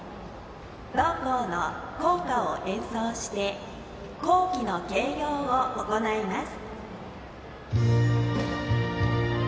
同校の校歌を演奏して校旗の掲揚を行います。